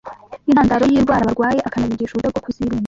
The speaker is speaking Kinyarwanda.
intandaro y’indwara barwaye akanabigisha uburyo bwo kuzirinda